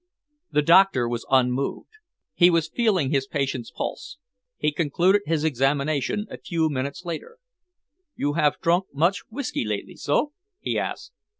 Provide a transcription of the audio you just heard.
The doctor was unmoved. He was feeling his patient's pulse. He concluded his examination a few minutes later. "You have drunk much whisky lately, so?" he asked.